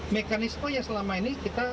mekanisme yang selama ini kita